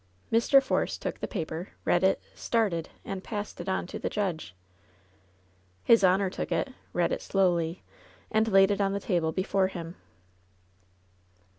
Mr. Force took the paper, read it, started, and passed it on to the judge. LOVERS BITTEREST CUP 117 His honor took it, read it slowly, and laid it on the table before him.